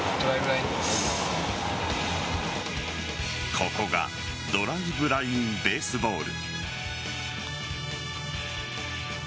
ここがドライブライン・ベースボール。